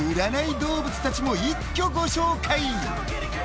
動物たちも一挙、ご紹介！